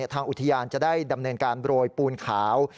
ทางอุทยานจะได้ดำเนินการโรยปูนขาว